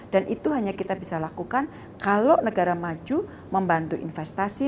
dan itu hanya kita bisa lakukan kalau negara maju membantu investasi